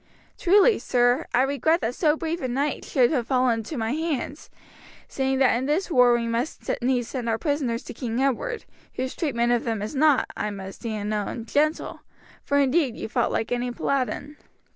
Truly, sir, I regret that so brave a knight should have fallen into my hands, seeing that in this war we must needs send our prisoners to King Edward, whose treatment of them is not, I must e'en own, gentle; for indeed you fought like any paladin.